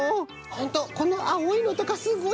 ほんとこのあおいのとかすごいよね。